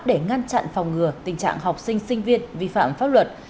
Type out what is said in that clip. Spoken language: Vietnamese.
để ngăn chặn phòng ngừa tình trạng học sinh sinh viên vi phạm pháp luật